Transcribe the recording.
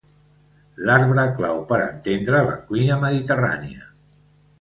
L'arbre clau per entendre la cuina mediterrània.